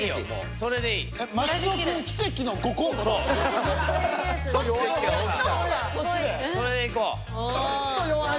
それでいこう。